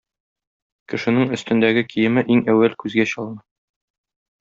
Кешенең өстендәге киеме иң әүвәл күзгә чалына.